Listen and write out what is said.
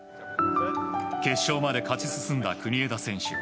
決勝まで勝ち進んだ国枝選手